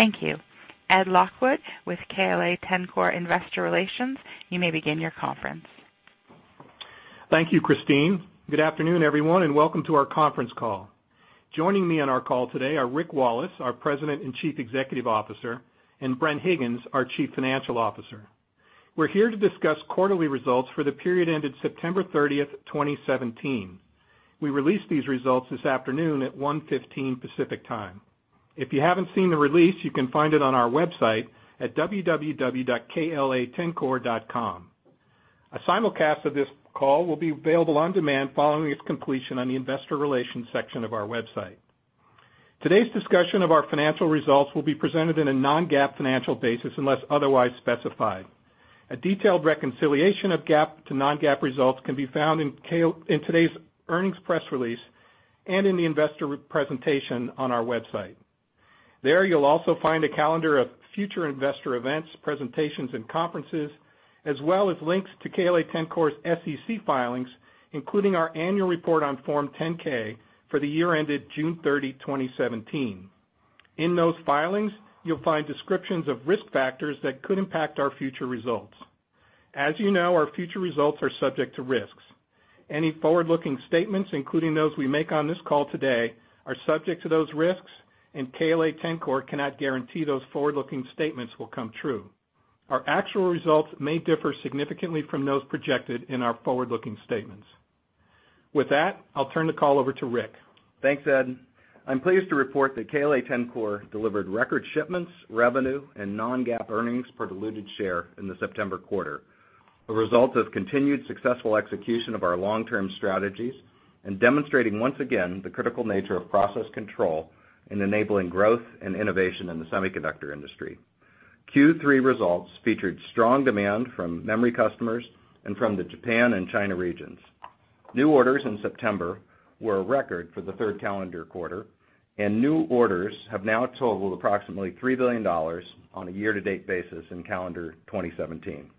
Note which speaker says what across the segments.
Speaker 1: Thank you. Ed Lockwood with KLA-Tencor Investor Relations, you may begin your conference.
Speaker 2: Thank you, Christine. Good afternoon, everyone, and welcome to our conference call. Joining me on our call today are Rick Wallace, our President and Chief Executive Officer, and Bren Higgins, our Chief Financial Officer. We are here to discuss quarterly results for the period ended September 30th, 2017. We released these results this afternoon at 1:15 P.M. Pacific Time. If you haven't seen the release, you can find it on our website at www.kla-tencor.com. A simulcast of this call will be available on demand following its completion on the Investor Relations section of our website. Today's discussion of our financial results will be presented in a non-GAAP financial basis unless otherwise specified. A detailed reconciliation of GAAP to non-GAAP results can be found in today's earnings press release and in the investor presentation on our website. There, you will also find a calendar of future investor events, presentations, and conferences, as well as links to KLA-Tencor's SEC filings, including our annual report on Form 10-K for the year ended June 30, 2017. In those filings, you will find descriptions of risk factors that could impact our future results. As you know, our future results are subject to risks. Any forward-looking statements, including those we make on this call today, are subject to those risks, and KLA-Tencor cannot guarantee those forward-looking statements will come true. Our actual results may differ significantly from those projected in our forward-looking statements. With that, I will turn the call over to Rick.
Speaker 3: Thanks, Ed. I am pleased to report that KLA-Tencor delivered record shipments, revenue, and non-GAAP earnings per diluted share in the September quarter, a result of continued successful execution of our long-term strategies, and demonstrating once again the critical nature of process control in enabling growth and innovation in the semiconductor industry. Q3 results featured strong demand from memory customers and from the Japan and China regions. New orders in September were a record for the third calendar quarter, and new orders have now totaled approximately $3 billion on a year-to-date basis in calendar 2017.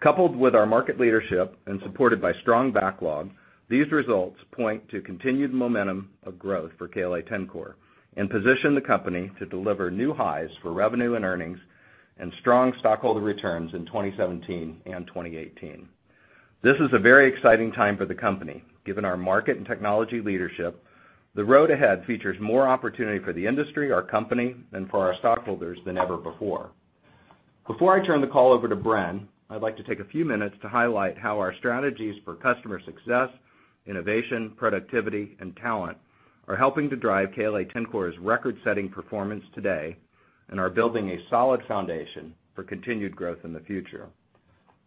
Speaker 3: Coupled with our market leadership and supported by strong backlog, these results point to continued momentum of growth for KLA-Tencor, and position the company to deliver new highs for revenue and earnings and strong stockholder returns in 2017 and 2018. This is a very exciting time for the company. Given our market and technology leadership, the road ahead features more opportunity for the industry, our company, and for our stockholders than ever before. Before I turn the call over to Bren, I'd like to take a few minutes to highlight how our strategies for customer success, innovation, productivity, and talent are helping to drive KLA-Tencor's record-setting performance today, and are building a solid foundation for continued growth in the future.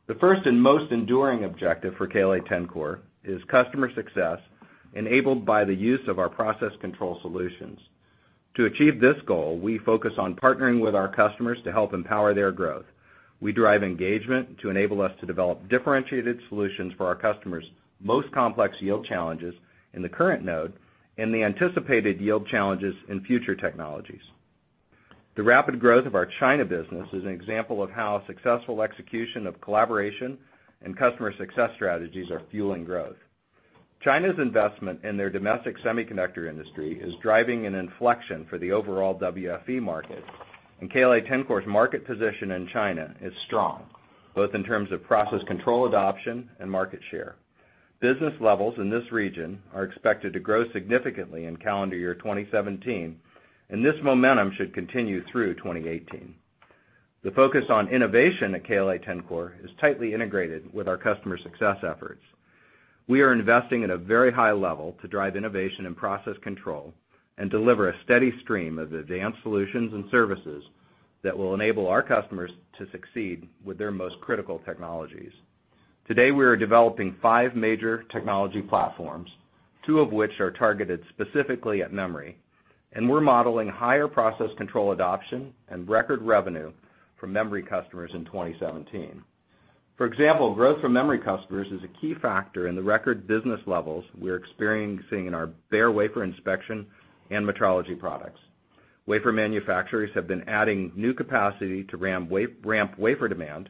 Speaker 3: The first and most enduring objective for KLA-Tencor is customer success, enabled by the use of our process control solutions. To achieve this goal, we focus on partnering with our customers to help empower their growth. We drive engagement to enable us to develop differentiated solutions for our customers' most complex yield challenges in the current node and the anticipated yield challenges in future technologies. The rapid growth of our China business is an example of how successful execution of collaboration and customer success strategies are fueling growth. China's investment in their domestic semiconductor industry is driving an inflection for the overall WFE market, and KLA-Tencor's market position in China is strong, both in terms of process control adoption and market share. Business levels in this region are expected to grow significantly in calendar year 2017, and this momentum should continue through 2018. The focus on innovation at KLA-Tencor is tightly integrated with our customer success efforts. We are investing at a very high level to drive innovation and process control and deliver a steady stream of advanced solutions and services that will enable our customers to succeed with their most critical technologies. Today, we are developing five major technology platforms, two of which are targeted specifically at memory, and we're modeling higher process control adoption and record revenue from memory customers in 2017. For example, growth from memory customers is a key factor in the record business levels we're experiencing in our bare wafer inspection and metrology products. Wafer manufacturers have been adding new capacity to ramp wafer demand, and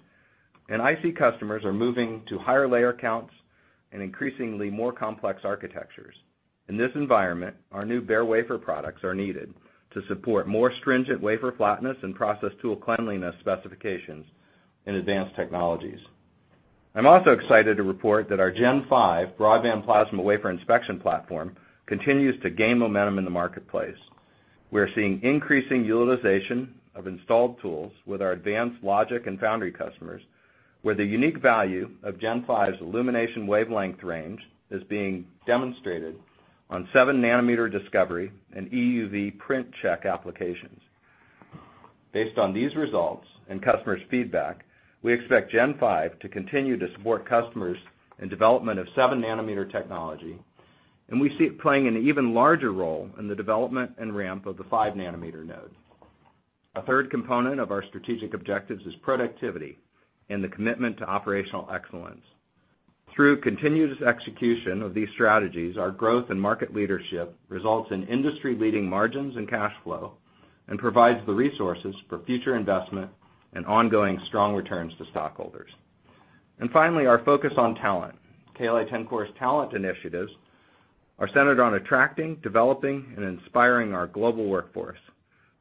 Speaker 3: IC customers are moving to higher layer counts and increasingly more complex architectures. In this environment, our new bare wafer products are needed to support more stringent wafer flatness and process tool cleanliness specifications in advanced technologies. I'm also excited to report that our Gen 5 broadband plasma wafer inspection platform continues to gain momentum in the marketplace. We are seeing increasing utilization of installed tools with our advanced logic and foundry customers, where the unique value of Gen 5's illumination wavelength range is being demonstrated on seven nanometer discovery and EUV Print Check applications. Based on these results and customers' feedback, we expect Gen 5 to continue to support customers in development of seven nanometer technology, and we see it playing an even larger role in the development and ramp of the five nanometer node. A third component of our strategic objectives is productivity and the commitment to operational excellence. Through continuous execution of these strategies, our growth and market leadership results in industry-leading margins and cash flow and provides the resources for future investment and ongoing strong returns to stockholders. Finally, our focus on talent. KLA-Tencor's talent initiatives are centered on attracting, developing, and inspiring our global workforce.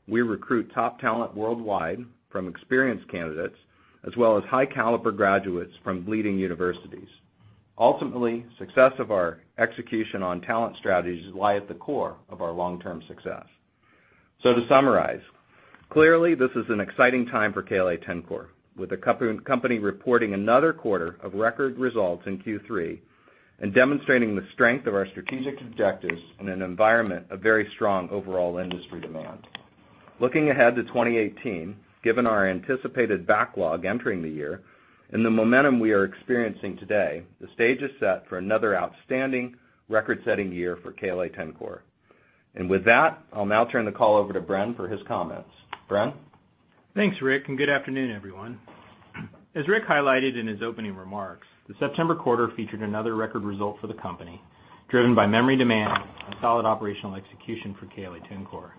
Speaker 3: We recruit top talent worldwide from experienced candidates, as well as high-caliber graduates from leading universities. Ultimately, success of our execution on talent strategies lies at the core of our long-term success. To summarize, clearly, this is an exciting time for KLA-Tencor. With the company reporting another quarter of record results in Q3, and demonstrating the strength of our strategic objectives in an environment of very strong overall industry demand. Looking ahead to 2018, given our anticipated backlog entering the year, and the momentum we are experiencing today, the stage is set for another outstanding record-setting year for KLA-Tencor. With that, I'll now turn the call over to Bren for his comments. Bren?
Speaker 4: Thanks, Rick, good afternoon, everyone. As Rick highlighted in his opening remarks, the September quarter featured another record result for the company, driven by memory demand and solid operational execution for KLA-Tencor.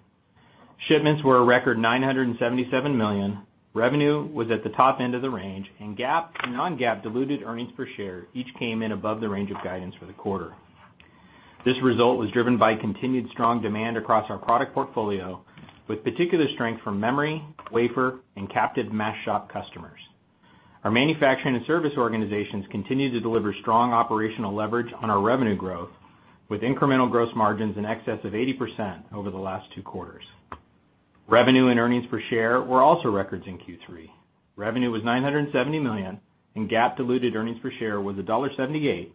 Speaker 4: Shipments were a record $977 million, revenue was at the top end of the range, and GAAP and non-GAAP diluted earnings per share each came in above the range of guidance for the quarter. This result was driven by continued strong demand across our product portfolio, with particular strength from memory, wafer, and captive mask shop customers. Our manufacturing and service organizations continue to deliver strong operational leverage on our revenue growth, with incremental gross margins in excess of 80% over the last two quarters. Revenue and earnings per share were also records in Q3. Revenue was $970 million, and GAAP diluted earnings per share was $1.78.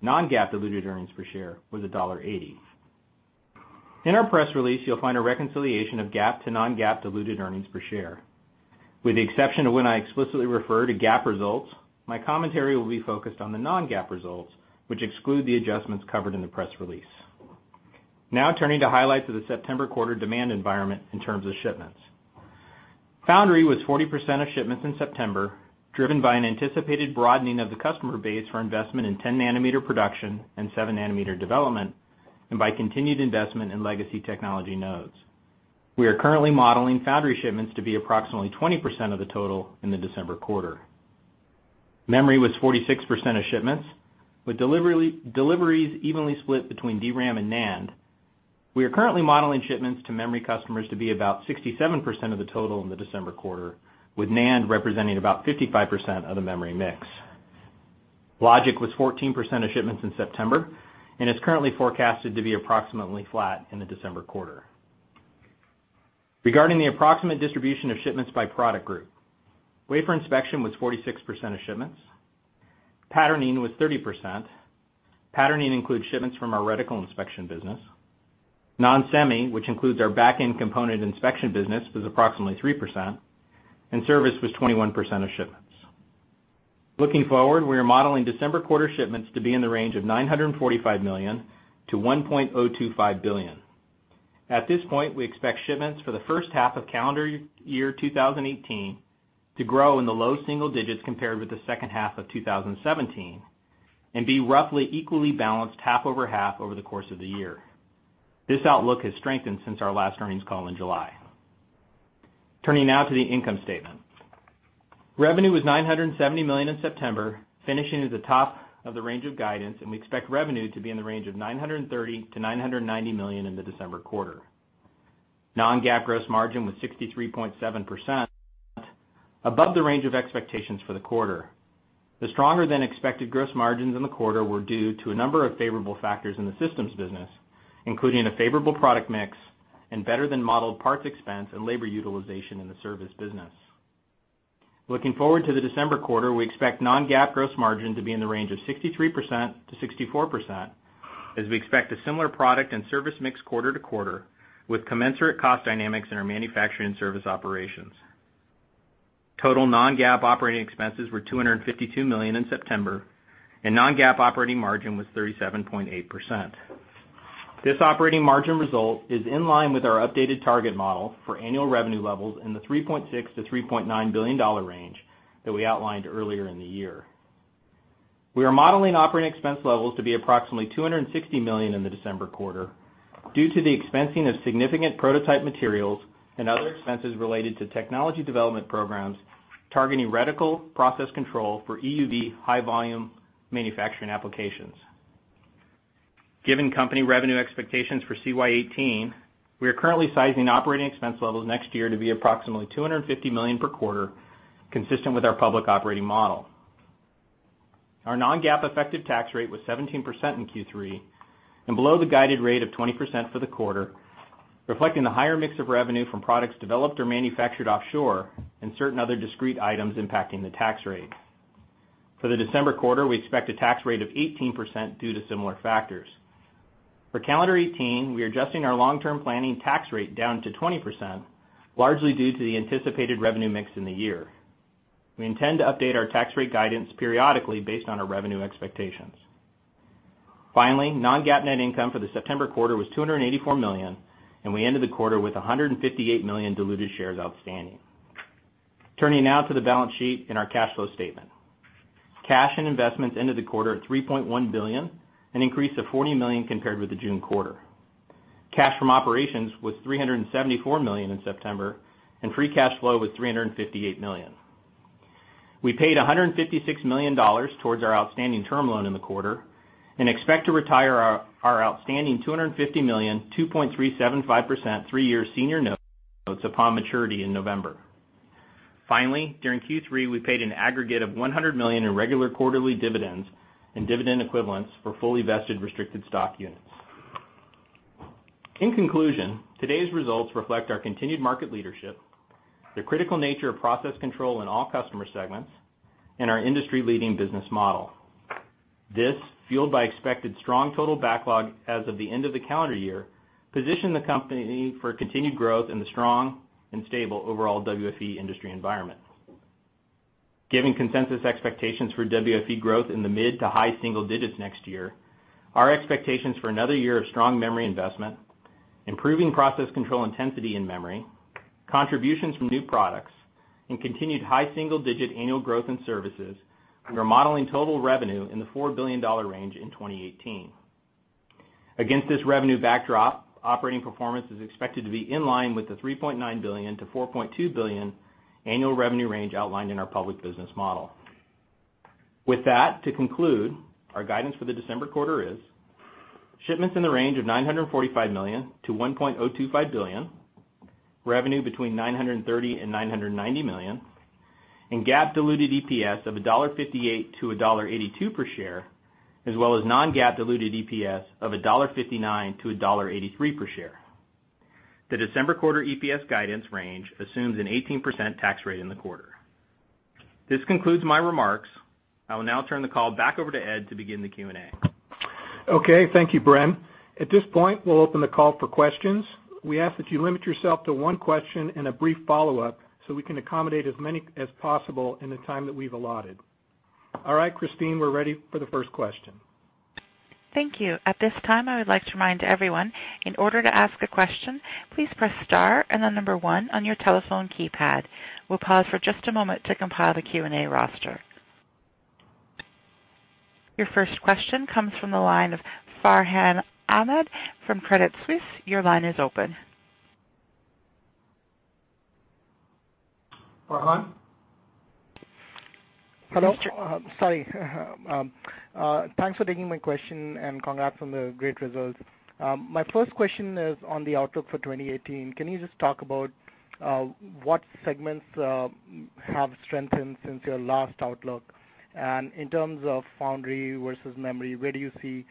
Speaker 4: Non-GAAP diluted earnings per share was $1.80. In our press release, you'll find a reconciliation of GAAP to non-GAAP diluted earnings per share. With the exception of when I explicitly refer to GAAP results, my commentary will be focused on the non-GAAP results, which exclude the adjustments covered in the press release. Turning to highlights of the September quarter demand environment in terms of shipments. Foundry was 40% of shipments in September, driven by an anticipated broadening of the customer base for investment in 10 nanometer production and seven nanometer development, and by continued investment in legacy technology nodes. We are currently modeling foundry shipments to be approximately 20% of the total in the December quarter. Memory was 46% of shipments, with deliveries evenly split between DRAM and NAND. We are currently modeling shipments to memory customers to be about 67% of the total in the December quarter, with NAND representing about 55% of the memory mix. Logic was 14% of shipments in September, and is currently forecasted to be approximately flat in the December quarter. Regarding the approximate distribution of shipments by product group, wafer inspection was 46% of shipments. Patterning was 30%. Patterning includes shipments from our reticle inspection business. Non-semi, which includes our backend component inspection business, was approximately 3%, and service was 21% of shipments. Looking forward, we are modeling December quarter shipments to be in the range of $945 million to $1.025 billion. At this point, we expect shipments for the first half of calendar year 2018 to grow in the low single digits compared with the second half of 2017, and be roughly equally balanced half over half over the course of the year. This outlook has strengthened since our last earnings call in July. Turning now to the income statement. Revenue was $970 million in September, finishing at the top of the range of guidance, and we expect revenue to be in the range of $930 million-$990 million in the December quarter. Non-GAAP gross margin was 63.7%, above the range of expectations for the quarter. The stronger-than-expected gross margins in the quarter were due to a number of favorable factors in the systems business, including a favorable product mix and better than modeled parts expense and labor utilization in the service business. Looking forward to the December quarter, we expect non-GAAP gross margin to be in the range of 63%-64%, as we expect a similar product and service mix quarter-to-quarter, with commensurate cost dynamics in our manufacturing service operations. Total non-GAAP operating expenses were $252 million in September, and non-GAAP operating margin was 37.8%. This operating margin result is in line with our updated target model for annual revenue levels in the $3.6 billion-$3.9 billion range that we outlined earlier in the year. We are modeling operating expense levels to be approximately $260 million in the December quarter due to the expensing of significant prototype materials and other expenses related to technology development programs targeting reticle process control for EUV high-volume manufacturing applications. Given company revenue expectations for calendar year 2018, we are currently sizing operating expense levels next year to be approximately $250 million per quarter, consistent with our public operating model. Our non-GAAP effective tax rate was 17% in Q3, below the guided rate of 20% for the quarter, reflecting the higher mix of revenue from products developed or manufactured offshore and certain other discrete items impacting the tax rate. For the December quarter, we expect a tax rate of 18% due to similar factors. For calendar 2018, we are adjusting our long-term planning tax rate down to 20%, largely due to the anticipated revenue mix in the year. We intend to update our tax rate guidance periodically based on our revenue expectations. Finally, non-GAAP net income for the September quarter was $284 million, and we ended the quarter with 158 million diluted shares outstanding. Turning now to the balance sheet and our cash flow statement. Cash and investments ended the quarter at $3.1 billion, an increase of $40 million compared with the June quarter. Cash from operations was $374 million in September, and free cash flow was $358 million. We paid $156 million towards our outstanding term loan in the quarter and expect to retire our outstanding $250 million, 2.375% three-year senior notes upon maturity in November. Finally, during Q3, we paid an aggregate of $100 million in regular quarterly dividends and dividend equivalents for fully vested restricted stock units. In conclusion, today's results reflect our continued market leadership, the critical nature of process control in all customer segments, and our industry-leading business model. This, fueled by expected strong total backlog as of the end of the calendar year, position the company for continued growth in the strong and stable overall WFE industry environment. Given consensus expectations for WFE growth in the mid to high single digits next year, our expectations for another year of strong memory investment, improving process control intensity in memory, contributions from new products, and continued high single-digit annual growth in services, we are modeling total revenue in the $4 billion range in 2018. Against this revenue backdrop, operating performance is expected to be in line with the $3.9 billion-$4.2 billion annual revenue range outlined in our public business model. With that, to conclude, our guidance for the December quarter is shipments in the range of $945 million-$1.025 billion, revenue between $930 million and $990 million, and GAAP diluted EPS of $1.58-$1.82 per share, as well as non-GAAP diluted EPS of $1.59-$1.83 per share. The December quarter EPS guidance range assumes an 18% tax rate in the quarter. This concludes my remarks. I will now turn the call back over to Ed to begin the Q&A.
Speaker 2: Okay, thank you, Bren. At this point, we'll open the call for questions. We ask that you limit yourself to one question and a brief follow-up so we can accommodate as many as possible in the time that we've allotted. All right, Christine, we're ready for the first question.
Speaker 1: Thank you. At this time, I would like to remind everyone, in order to ask a question, please press star and then number 1 on your telephone keypad. We'll pause for just a moment to compile the Q&A roster. Your first question comes from the line of Farhan Ahmad from Credit Suisse. Your line is open.
Speaker 2: Farhan?
Speaker 5: Hello. Sorry. Thanks for taking my question, and congrats on the great results. My first question is on the outlook for 2018. Can you just talk about what segments have strengthened since your last outlook? In terms of foundry versus memory, where do you see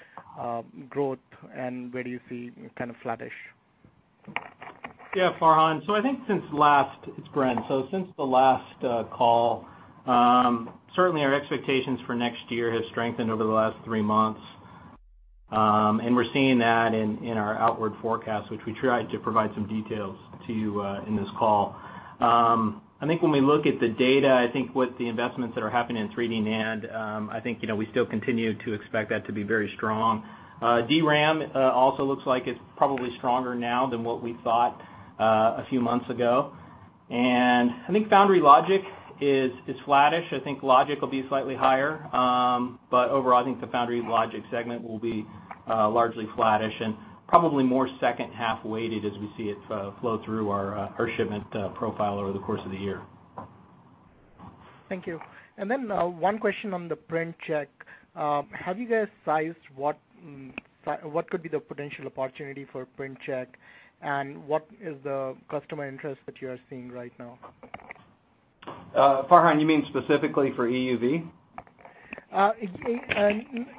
Speaker 5: growth and where do you see kind of flattish?
Speaker 4: Yeah, Farhan. It's Bren. I think since the last call, certainly our expectations for next year have strengthened over the last three months. We're seeing that in our outward forecast, which we tried to provide some details to you in this call. I think when we look at the data, I think with the investments that are happening in 3D NAND, I think we still continue to expect that to be very strong. DRAM also looks like it's probably stronger now than what we thought a few months ago. I think foundry logic is flattish. I think logic will be slightly higher. Overall, I think the foundry logic segment will be largely flattish and probably more second-half weighted as we see it flow through our shipment profile over the course of the year.
Speaker 5: Thank you. One question on the Print Check. Have you guys sized what could be the potential opportunity for Print Check, and what is the customer interest that you are seeing right now?
Speaker 4: Farhan, you mean specifically for EUV?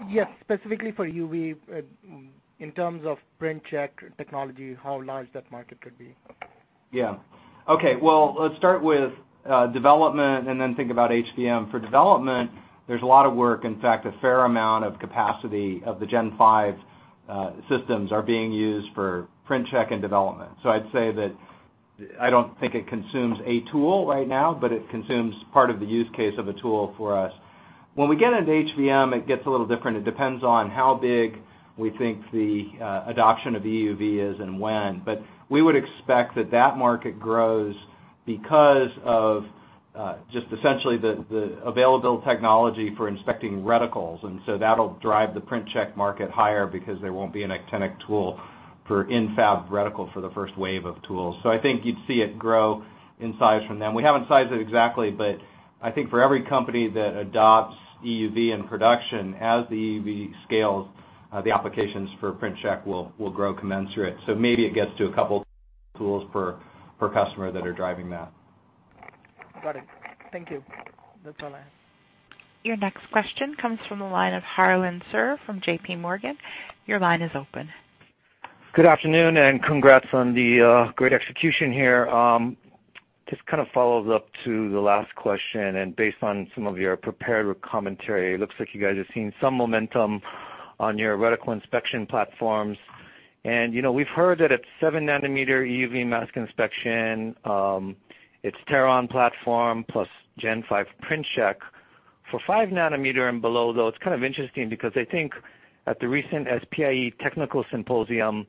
Speaker 5: Yes, specifically for EUV, in terms of Print Check technology, how large that market could be.
Speaker 4: Yeah. Okay. Well, let's start with development and then think about HVM. For development, there's a lot of work. In fact, a fair amount of capacity of the Gen 5 systems are being used for Print Check and development. I'd say that I don't think it consumes a tool right now, but it consumes part of the use case of a tool for us. When we get into HVM, it gets a little different. It depends on how big we think the adoption of EUV is and when. We would expect that that market grows because of just essentially the available technology for inspecting reticles, that'll drive the Print Check market higher because there won't be an actinic tool for in-fab reticle for the first wave of tools. I think you'd see it grow in size from them. We haven't sized it exactly, I think for every company that adopts EUV in production, as the EUV scales, the applications for Print Check will grow commensurate. Maybe it gets to a couple tools per customer that are driving that.
Speaker 5: Got it. Thank you. That's all I have.
Speaker 1: Your next question comes from the line of Harlan Sur from J.P. Morgan. Your line is open.
Speaker 6: Good afternoon. Congrats on the great execution here. Just kind of follows up to the last question. Based on some of your prepared commentary, it looks like you guys are seeing some momentum on your reticle inspection platforms. We've heard that at seven nanometer EUV mask inspection, its Teron platform plus Gen 5 Print Check. For five nanometer and below, though, it's kind of interesting because I think at the recent SPIE Technical Symposium,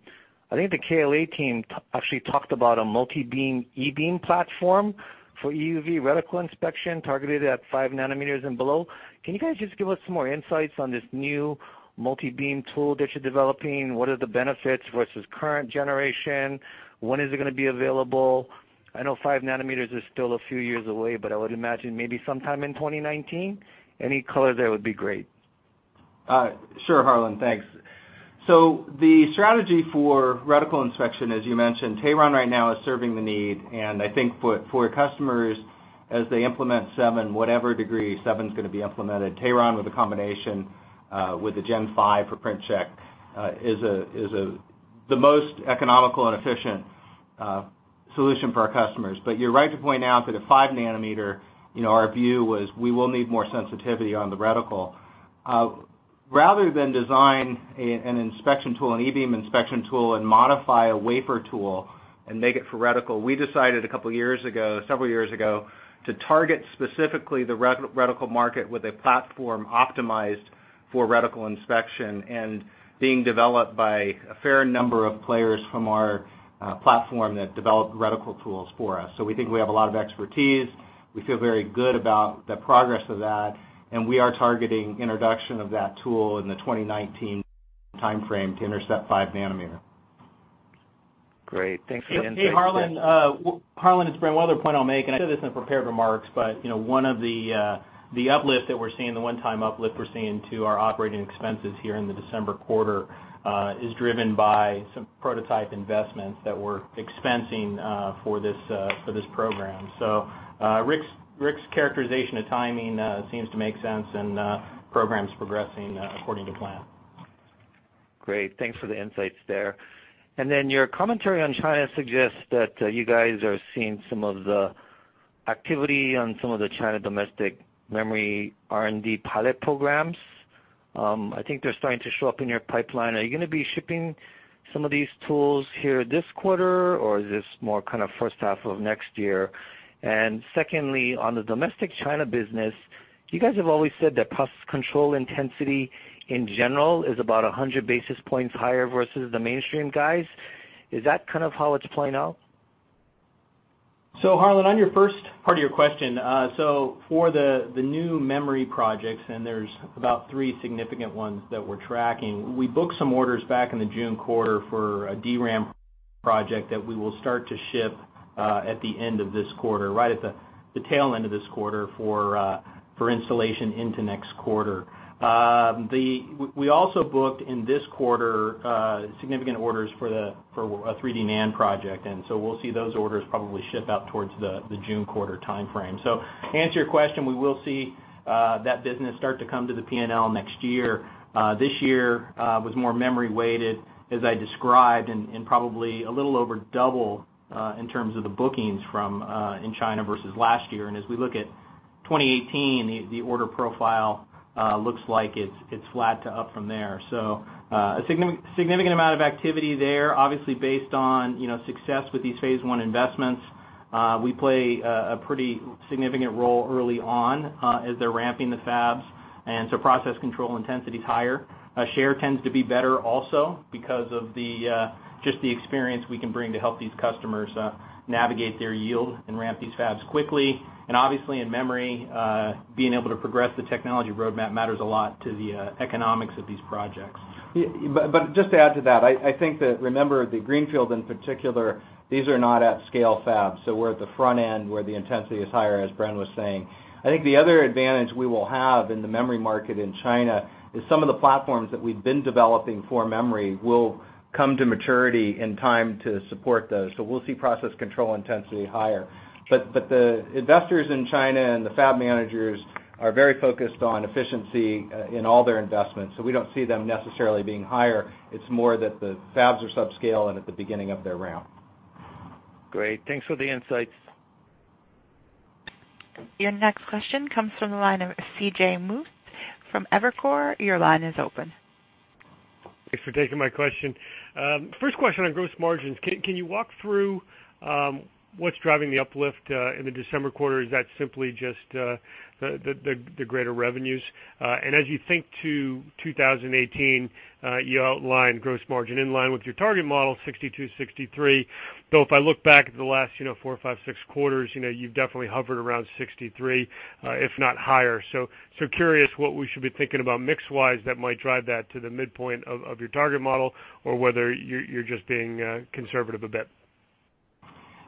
Speaker 6: I think the KLA team actually talked about a multi-beam E-beam platform for EUV reticle inspection targeted at five nanometers and below. Can you guys just give us some more insights on this new multi-beam tool that you're developing? What are the benefits versus current generation? When is it going to be available? I know five nanometers is still a few years away, but I would imagine maybe sometime in 2019. Any color there would be great.
Speaker 3: Sure, Harlan, thanks. The strategy for reticle inspection, as you mentioned, Teron right now is serving the need. I think for customers, as they implement seven, whatever degree seven is going to be implemented, Teron with a combination, with a Gen 5 for Print Check, is the most economical and efficient solution for our customers. You're right to point out that at five nanometer, our view was we will need more sensitivity on the reticle. Rather than design an inspection tool, an E-beam inspection tool, and modify a wafer tool and make it for reticle, we decided a couple of years ago, several years ago, to target specifically the reticle market with a platform optimized for reticle inspection, being developed by a fair number of players from our platform that developed reticle tools for us. We think we have a lot of expertise. We feel very good about the progress of that, and we are targeting introduction of that tool in the 2019 timeframe to intercept five nanometer.
Speaker 6: Great. Thanks for the insight.
Speaker 4: Hey, Harlan, it's Bren. One other point I'll make, and I said this in prepared remarks, but one of the uplift that we're seeing, the one-time uplift we're seeing to our operating expenses here in the December quarter, is driven by some prototype investments that we're expensing for this program. Rick's characterization of timing seems to make sense, and the program's progressing according to plan.
Speaker 6: Great. Thanks for the insights there. Your commentary on China suggests that you guys are seeing some of the activity on some of the China domestic memory R&D pilot programs. I think they're starting to show up in your pipeline. Are you going to be shipping some of these tools here this quarter, or is this more kind of first half of next year? Secondly, on the domestic China business, you guys have always said that process control intensity in general is about 100 basis points higher versus the mainstream guys. Is that kind of how it's playing out?
Speaker 4: Harlan, on your first part of your question. For the new memory projects, and there's about three significant ones that we're tracking, we booked some orders back in the June quarter for a DRAM project that we will start to ship at the end of this quarter, right at the tail end of this quarter for installation into next quarter. We also booked in this quarter significant orders for a 3D NAND project. We'll see those orders probably ship out towards the June quarter timeframe. To answer your question, we will see that business start to come to the P&L next year. This year was more memory weighted, as I described, and probably a little over double in terms of the bookings in China versus last year. As we look at 2018, the order profile looks like it's flat to up from there. A significant amount of activity there, obviously based on success with these phase 1 investments. We play a pretty significant role early on as they're ramping the fabs. Process control intensity is higher. Our share tends to be better also because of just the experience we can bring to help these customers navigate their yield and ramp these fabs quickly. Obviously in memory, being able to progress the technology roadmap matters a lot to the economics of these projects.
Speaker 3: Just to add to that, I think that, remember, the Greenfield in particular, these are not at scale fabs. We're at the front end where the intensity is higher, as Bren was saying. I think the other advantage we will have in the memory market in China is some of the platforms that we've been developing for memory will come to maturity in time to support those. We'll see process control intensity higher. The investors in China and the fab managers are very focused on efficiency in all their investments. We don't see them necessarily being higher. It's more that the fabs are subscale and at the beginning of their ramp.
Speaker 6: Great. Thanks for the insights.
Speaker 1: Your next question comes from the line of C.J. Muse from Evercore. Your line is open.
Speaker 7: Thanks for taking my question. First question on gross margins. Can you walk through what's driving the uplift in the December quarter? Is that simply just the greater revenues? As you think to 2018, you outlined gross margin in line with your target model 62%-63%. Though if I look back at the last four, five, six quarters, you've definitely hovered around 63%, if not higher. Curious what we should be thinking about mix-wise that might drive that to the midpoint of your target model or whether you're just being conservative a bit.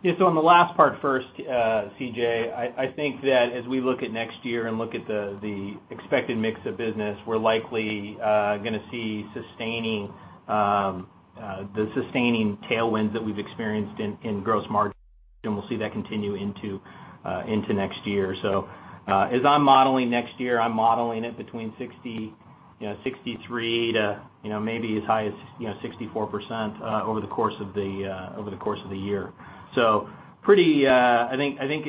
Speaker 4: Yeah. On the last part first, C.J., I think that as we look at next year and look at the expected mix of business, we're likely going to see the sustaining tailwinds that we've experienced in gross margin, and we'll see that continue into next year. As I'm modeling next year, I'm modeling it between 60%-63% to maybe as high as 64% over the course of the year. I think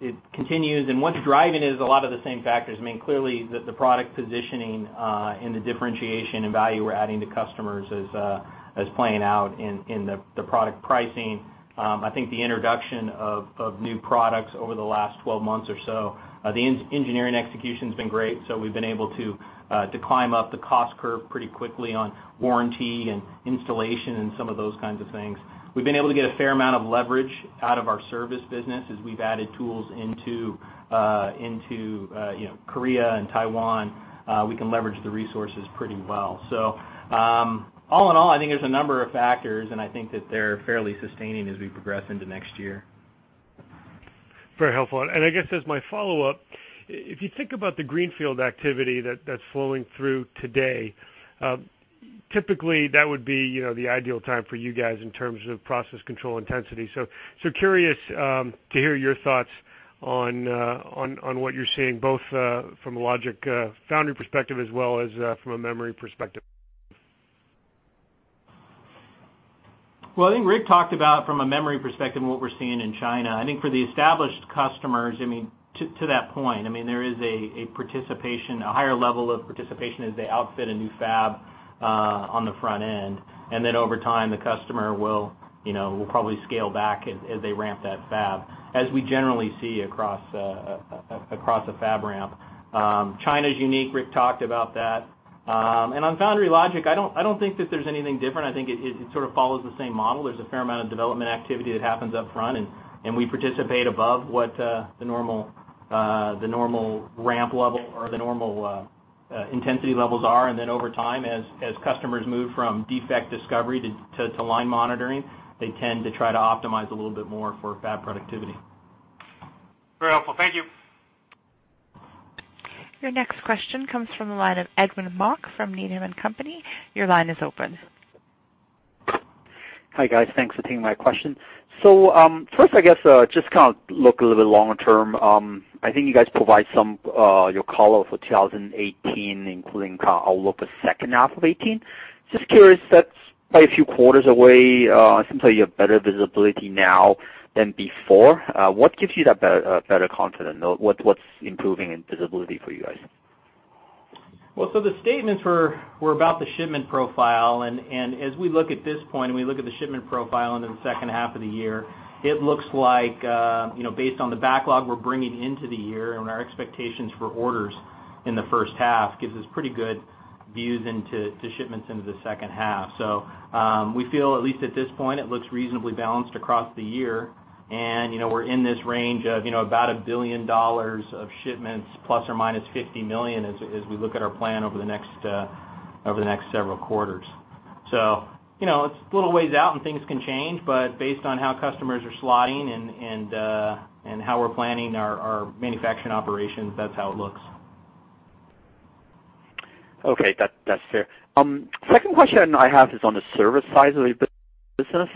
Speaker 4: it continues, and what's driving it is a lot of the same factors. Clearly, the product positioning and the differentiation and value we're adding to customers is playing out in the product pricing. I think the introduction of new products over the last 12 months or so, the engineering execution's been great, so we've been able to climb up the cost curve pretty quickly on warranty and installation and some of those kinds of things. We've been able to get a fair amount of leverage out of our service business as we've added tools into Korea and Taiwan. We can leverage the resources pretty well. All in all, I think there's a number of factors, and I think that they're fairly sustaining as we progress into next year.
Speaker 7: Very helpful. I guess as my follow-up, if you think about the greenfield activity that's flowing through today, typically that would be the ideal time for you guys in terms of process control intensity. Curious to hear your thoughts on what you're seeing, both from a logic foundry perspective as well as from a memory perspective.
Speaker 4: Well, I think Rick talked about, from a memory perspective, what we're seeing in China. I think for the established customers, to that point, there is a higher level of participation as they outfit a new fab on the front end, then over time, the customer will probably scale back as they ramp that fab, as we generally see across a fab ramp. China's unique, Rick talked about that. On foundry logic, I don't think that there's anything different. I think it sort of follows the same model. There's a fair amount of development activity that happens up front, and we participate above what the normal ramp level or the normal intensity levels are. Then over time, as customers move from defect discovery to line monitoring, they tend to try to optimize a little bit more for fab productivity.
Speaker 7: Very helpful. Thank you.
Speaker 1: Your next question comes from the line of Edwin Mok from Needham & Company. Your line is open.
Speaker 8: Hi, guys. Thanks for taking my question. First, I guess just kind of look a little bit longer term. I think you guys provide your call for 2018, including kind of outlook for second half of 2018. Just curious, that's quite a few quarters away. It seems like you have better visibility now than before. What gives you that better confidence? What's improving in visibility for you guys?
Speaker 4: The statements were about the shipment profile, and as we look at this point and we look at the shipment profile into the second half of the year, it looks like based on the backlog we're bringing into the year and what our expectations for orders in the first half gives us pretty good views into shipments into the second half. We feel, at least at this point, it looks reasonably balanced across the year, and we're in this range of about $1 billion of shipments, plus or minus $50 million, as we look at our plan over the next several quarters. It's a little ways out and things can change, but based on how customers are slotting and how we're planning our manufacturing operations, that's how it looks.
Speaker 8: Okay. That's fair. Second question I have is on the service side of your business.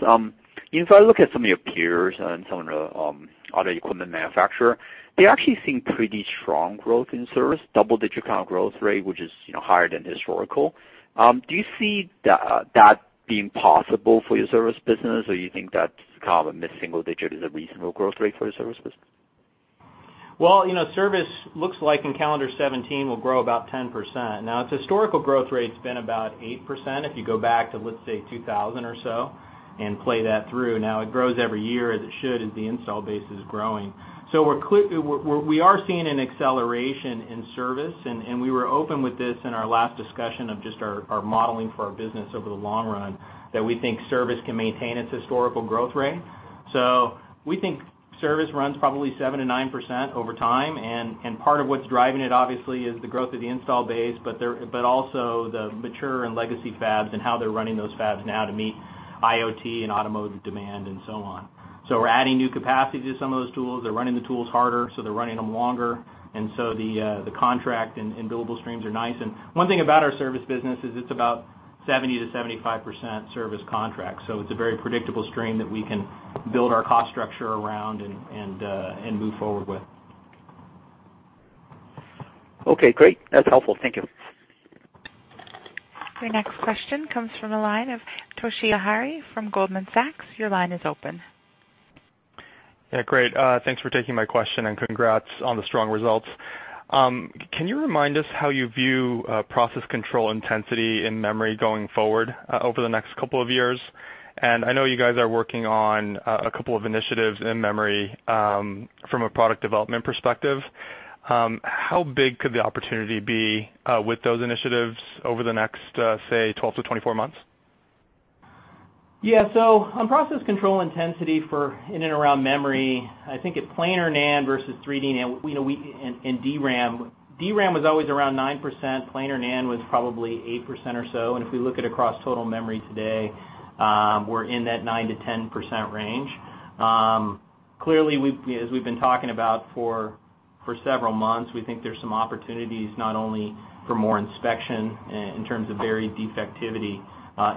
Speaker 8: If I look at some of your peers and some of the other equipment manufacturer, they actually seem pretty strong growth in service, double-digit kind of growth rate, which is higher than historical. Do you see that being possible for your service business, or you think that kind of a mid-single digit is a reasonable growth rate for your service business?
Speaker 4: Service looks like in calendar 2017 will grow about 10%. Its historical growth rate's been about 8%, if you go back to, let's say, 2000 or so and play that through. It grows every year, as it should, as the install base is growing. We are seeing an acceleration in service, and we were open with this in our last discussion of just our modeling for our business over the long run, that we think service can maintain its historical growth rate. We think service runs probably 7%-9% over time, and part of what's driving it obviously is the growth of the install base, but also the mature and legacy fabs and how they're running those fabs now to meet IoT and automotive demand and so on. We're adding new capacity to some of those tools. They're running the tools harder, they're running them longer, the contract and billable streams are nice. One thing about our service business is it's about 70%-75% service contracts, so it's a very predictable stream that we can build our cost structure around and move forward with.
Speaker 8: Okay, great. That's helpful. Thank you.
Speaker 1: Your next question comes from the line of Toshiya Hari from Goldman Sachs. Your line is open.
Speaker 9: Yeah, great. Thanks for taking my question, congrats on the strong results. Can you remind us how you view process control intensity in memory going forward over the next couple of years? I know you guys are working on a couple of initiatives in memory from a product development perspective. How big could the opportunity be with those initiatives over the next, say, 12-24 months?
Speaker 4: Yeah. On process control intensity for in and around memory, I think at planar NAND versus 3D NAND and DRAM was always around 9%, planar NAND was probably 8% or so, if we look at across total memory today, we're in that 9%-10% range. Clearly, as we've been talking about for several months, we think there's some opportunities not only for more inspection in terms of varied defectivity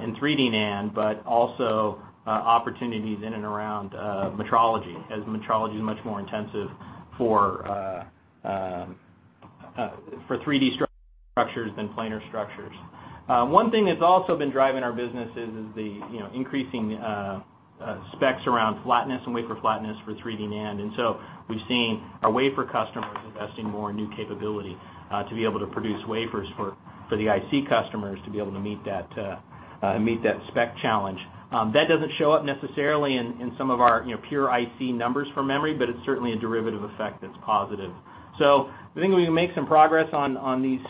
Speaker 4: in 3D NAND, but also opportunities in and around metrology, as metrology is much more intensive for For 3D structures than planar structures. One thing that's also been driving our business is the increasing specs around flatness and wafer flatness for 3D NAND. We've seen our wafer customers investing more in new capability to be able to produce wafers for the IC customers to be able to meet that spec challenge. That doesn't show up necessarily in some of our pure IC numbers for memory, but it's certainly a derivative effect that's positive. I think we can make some progress on these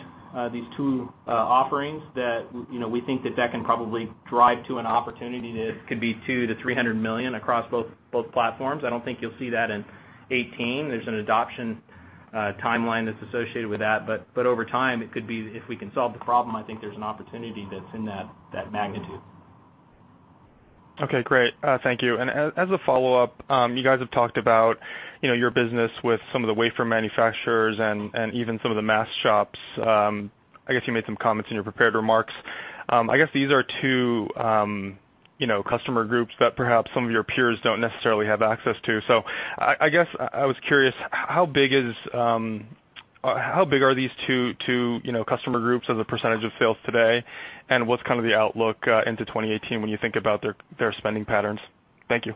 Speaker 4: two offerings that we think that can probably drive to an opportunity that could be $200 million-$300 million across both platforms. I don't think you'll see that in 2018. There's an adoption timeline that's associated with that. Over time, if we can solve the problem, I think there's an opportunity that's in that magnitude.
Speaker 9: Okay, great. Thank you. As a follow-up, you guys have talked about your business with some of the wafer manufacturers and even some of the mask shops. I guess you made some comments in your prepared remarks. I guess these are two customer groups that perhaps some of your peers don't necessarily have access to. I guess I was curious, how big are these two customer groups as a percentage of sales today? What's the outlook into 2018 when you think about their spending patterns? Thank you.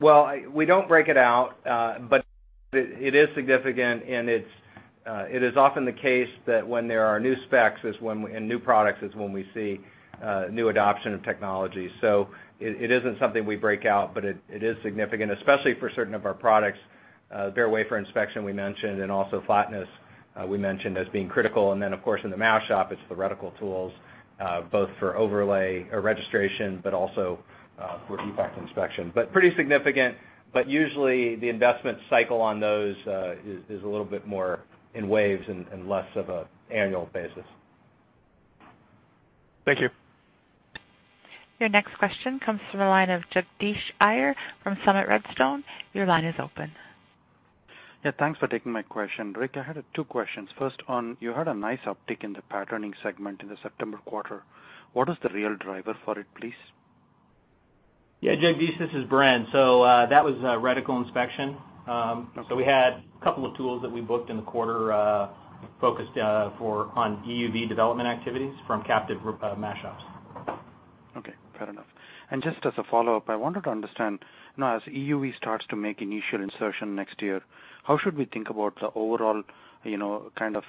Speaker 3: Well, we don't break it out, but it is significant, it is often the case that when there are new specs and new products is when we see new adoption of technology. It isn't something we break out, but it is significant, especially for certain of our products. There are wafer inspection we mentioned, also flatness we mentioned as being critical, then of course in the mask shop, it's the reticle tools, both for overlay or registration, but also for defect inspection. Pretty significant. Usually the investment cycle on those is a little bit more in waves and less of an annual basis.
Speaker 9: Thank you.
Speaker 1: Your next question comes from the line of Jagadish Iyer from Summit Redstone. Your line is open.
Speaker 10: Thanks for taking my question. Rick, I had two questions. First on, you had a nice uptick in the patterning segment in the September quarter. What is the real driver for it, please?
Speaker 4: Jagadish, this is Bren. That was reticle inspection. We had a couple of tools that we booked in the quarter focused on EUV development activities from captive mask shops.
Speaker 10: Okay, fair enough. Just as a follow-up, I wanted to understand now as EUV starts to make initial insertion next year, how should we think about the overall kind of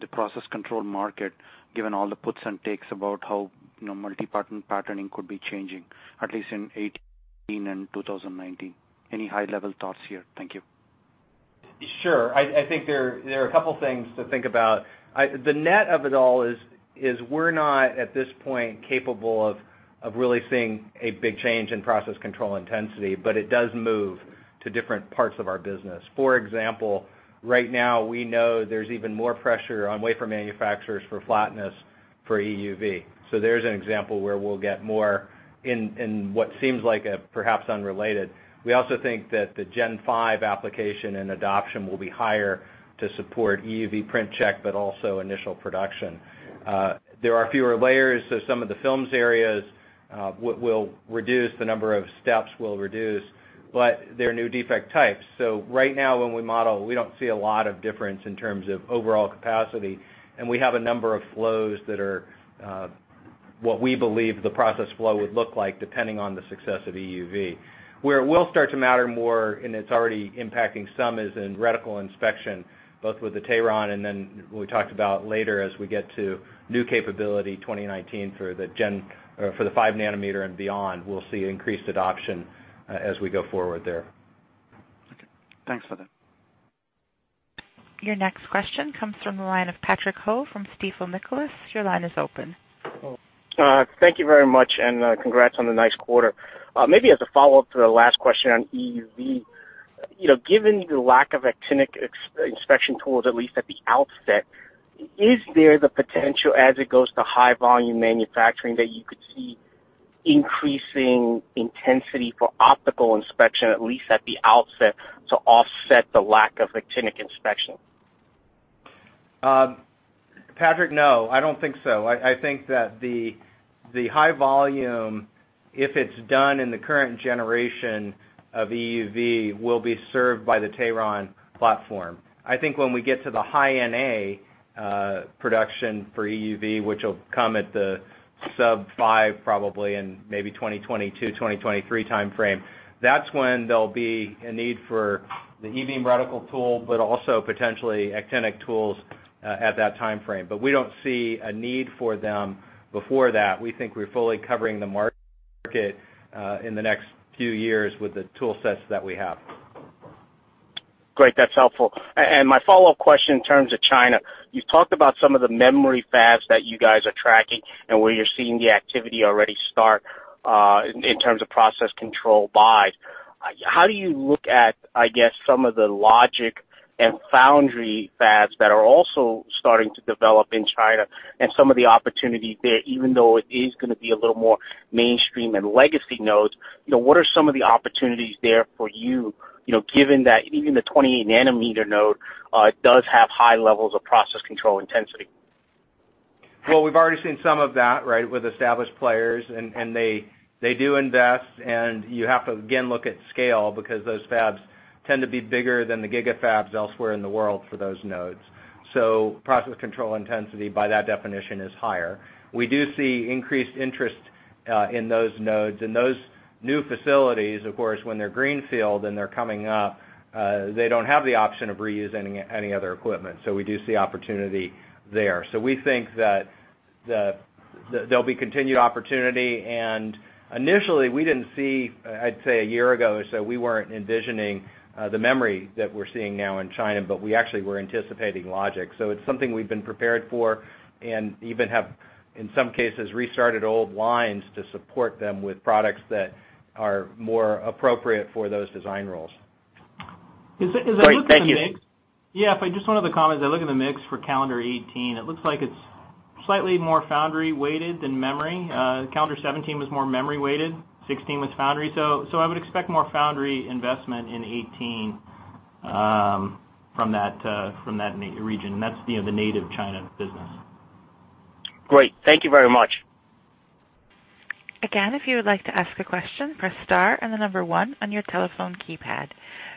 Speaker 10: the process control market, given all the puts and takes about how multi-pattern patterning could be changing, at least in 2018 and 2019? Any high-level thoughts here? Thank you.
Speaker 3: Sure. I think there are two things to think about. The net of it all is we're not, at this point, capable of really seeing a big change in process control intensity, but it does move to different parts of our business. For example, right now we know there's even more pressure on wafer manufacturers for flatness for EUV. There's an example where we'll get more in what seems like a perhaps unrelated. We also think that the Gen 5 application and adoption will be higher to support EUV Print Check, but also initial production. There are fewer layers, so some of the films areas will reduce, the number of steps will reduce, but there are new defect types. Right now when we model, we don't see a lot of difference in terms of overall capacity, and we have a number of flows that are what we believe the process flow would look like depending on the success of EUV. Where it will start to matter more, and it's already impacting some, is in reticle inspection, both with the Teron and then we talked about later as we get to new capability 2019 for the 5 nanometer and beyond. We'll see increased adoption as we go forward there.
Speaker 10: Okay. Thanks for that.
Speaker 1: Your next question comes from the line of Patrick Ho from Stifel Nicolaus. Your line is open.
Speaker 11: Thank you very much. Congrats on the nice quarter. Maybe as a follow-up to the last question on EUV, given the lack of actinic inspection tools, at least at the outset, is there the potential as it goes to high volume manufacturing that you could see increasing intensity for optical inspection, at least at the outset, to offset the lack of actinic inspection?
Speaker 3: Patrick, no, I don't think so. I think that the high volume, if it's done in the current generation of EUV, will be served by the Teron platform. I think when we get to the High-NA production for EUV, which will come at the sub-5 probably in maybe 2022, 2023 timeframe, that's when there'll be a need for the E-beam reticle tool, but also potentially actinic tools at that timeframe. We don't see a need for them before that. We think we're fully covering the market in the next few years with the tool sets that we have.
Speaker 11: Great. That's helpful. My follow-up question in terms of China. You talked about some of the memory fabs that you guys are tracking and where you're seeing the activity already start in terms of process control buys. How do you look at, I guess, some of the logic and foundry fabs that are also starting to develop in China and some of the opportunities there, even though it is going to be a little more mainstream and legacy nodes? What are some of the opportunities there for you given that even the 28 nanometer node does have high levels of process control intensity?
Speaker 4: Well, we've already seen some of that, right, with established players, and they do invest. You have to, again, look at scale because those fabs tend to be bigger than the GigaFab elsewhere in the world for those nodes. Process control intensity, by that definition, is higher. We do see increased interest in those nodes. Those new facilities, of course, when they're greenfield and they're coming up, they don't have the option of reusing any other equipment, so we do see opportunity there. We think that there'll be continued opportunity. Initially, we didn't see, I'd say a year ago or so, we weren't envisioning the memory that we're seeing now in China, but we actually were anticipating logic. It's something we've been prepared for and even have, in some cases, restarted old lines to support them with products that are more appropriate for those design rules.
Speaker 11: Great. Thank you.
Speaker 4: Yeah. Just one of the comments. I look at the mix for calendar 2018, it looks like it's slightly more foundry-weighted than memory. Calendar 2017 was more memory-weighted, 2016 was foundry. I would expect more foundry investment in 2018 from that region. That's the native China business.
Speaker 11: Great. Thank you very much.
Speaker 1: Again, if you would like to ask a question, press star and the number 1 on your telephone keypad.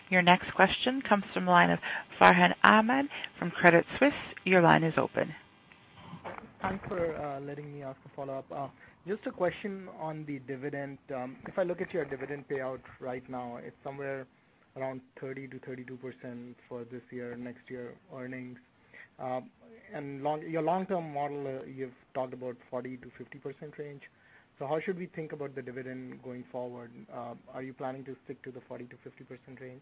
Speaker 1: Your next question comes from the line of Farhan Ahmad from Credit Suisse. Your line is open.
Speaker 5: Thanks for letting me ask a follow-up. Just a question on the dividend. If I look at your dividend payout right now, it's somewhere around 30%-32% for this year, next year earnings. Your long-term model, you've talked about 40%-50% range. How should we think about the dividend going forward? Are you planning to stick to the 40%-50% range?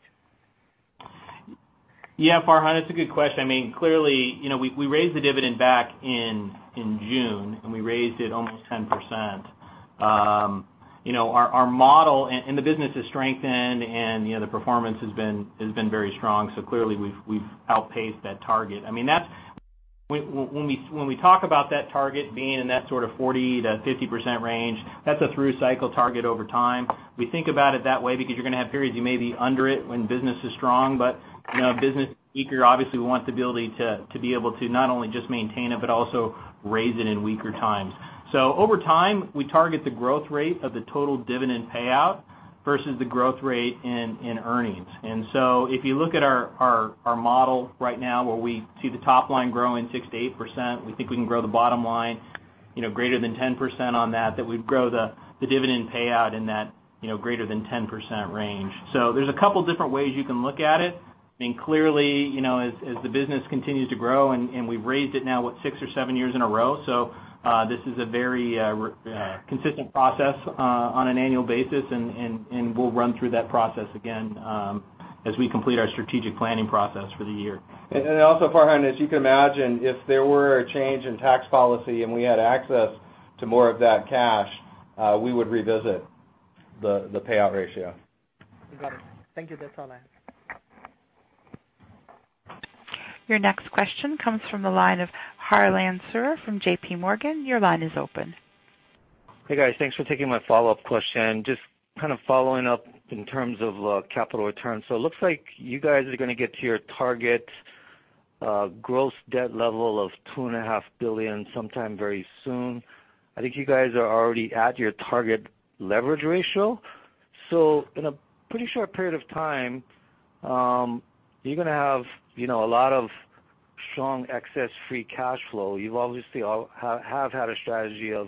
Speaker 4: Farhan, it's a good question. Clearly, we raised the dividend back in June, and we raised it almost 10%. Our model, and the business has strengthened, and the performance has been very strong, Clearly, we've outpaced that target. When we talk about that target being in that 40%-50% range, that's a through-cycle target over time. We think about it that way because you're going to have periods you may be under it when business is strong. Business obviously wants the ability to be able to not only just maintain it but also raise it in weaker times. Over time, we target the growth rate of the total dividend payout versus the growth rate in earnings. If you look at our model right now, where we see the top line growing 6%-8%, we think we can grow the bottom line greater than 10% on that we'd grow the dividend payout in that greater than 10% range. There's a couple different ways you can look at it. Clearly, as the business continues to grow and we've raised it now, what, six or seven years in a row. This is a very consistent process on an annual basis, and we'll run through that process again as we complete our strategic planning process for the year. Also, Farhan, as you can imagine, if there were a change in tax policy and we had access to more of that cash, we would revisit the payout ratio.
Speaker 5: Got it. Thank you. That's all I have.
Speaker 1: Your next question comes from the line of Harlan Sur from J.P. Morgan. Your line is open.
Speaker 6: Hey, guys. Thanks for taking my follow-up question. Just kind of following up in terms of capital returns. It looks like you guys are going to get to your target gross debt level of $2.5 billion sometime very soon. I think you guys are already at your target leverage ratio. In a pretty short period of time, you're going to have a lot of strong excess free cash flow. You obviously have had a strategy of,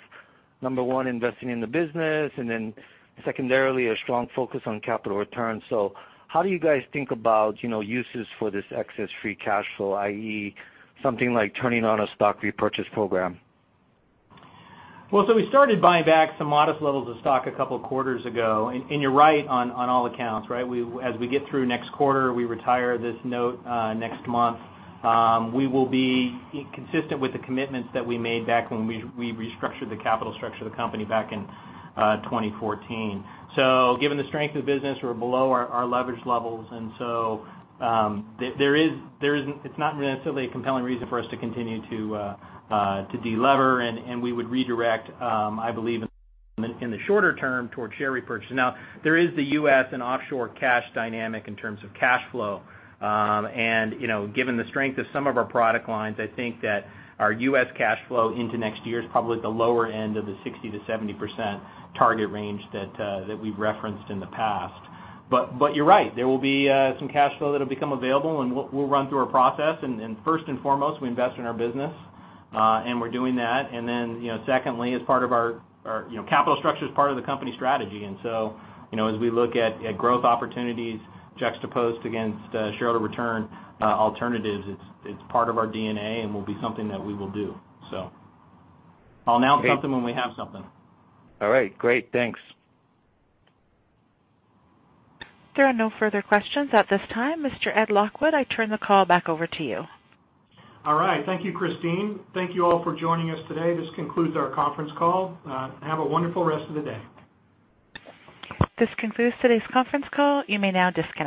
Speaker 6: number one, investing in the business and then secondarily, a strong focus on capital returns. How do you guys think about uses for this excess free cash flow, i.e., something like turning on a stock repurchase program?
Speaker 4: We started buying back some modest levels of stock a couple of quarters ago. You're right on all accounts, right? As we get through next quarter, we retire this note next month. We will be consistent with the commitments that we made back when we restructured the capital structure of the company back in 2014. Given the strength of the business, we're below our leverage levels. It's not necessarily a compelling reason for us to continue to de-lever, and we would redirect, I believe, in the shorter term towards share repurchase. There is the U.S. and offshore cash dynamic in terms of cash flow. Given the strength of some of our product lines, I think that our U.S. cash flow into next year is probably at the lower end of the 60%-70% target range that we've referenced in the past. You're right, there will be some cash flow that'll become available, and we'll run through our process. First and foremost, we invest in our business, and we're doing that. Secondly, capital structure is part of the company strategy. As we look at growth opportunities juxtaposed against shareholder return alternatives, it's part of our DNA and will be something that we will do. I'll announce something when we have something.
Speaker 6: All right, great. Thanks.
Speaker 1: There are no further questions at this time. Mr. Ed Lockwood, I turn the call back over to you.
Speaker 2: All right. Thank you, Christine. Thank you all for joining us today. This concludes our conference call. Have a wonderful rest of the day.
Speaker 1: This concludes today's conference call. You may now disconnect.